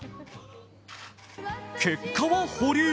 結果は保留。